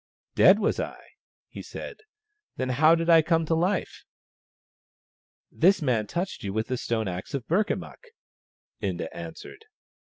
" Dead, was I ?" he said. " Then how did I come to life ?"" This man touched you with the stone axe of Burkamukk," Inda answered.